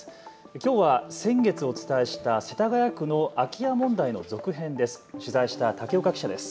きょうは先月お伝えした世田谷区の空き家問題の続編です。